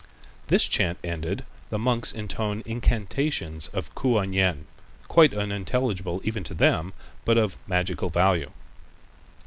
This chant ended, the monks intone incantations of Kuan Yin, quite unintelligible even to them, but of magical value.